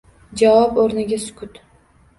Javob o`rniga sukut